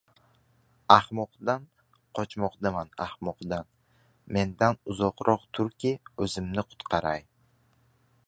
-Ahmoqdan qochmoqdaman, ahmoqdan! Mendan uzoqroq turki, o‘zimni qutqaray.